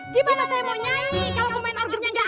gimana saya mau nyanyi kalo pemain organiknya gak ada